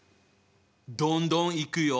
どんどんいくよ！